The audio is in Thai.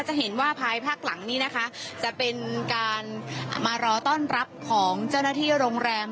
จะเห็นว่าภายภาคหลังนี้นะคะจะเป็นการมารอต้อนรับของเจ้าหน้าที่โรงแรม